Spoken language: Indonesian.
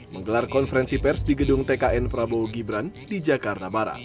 menggelar konferensi pers di gedung tkn prabowo gibran di jakarta barat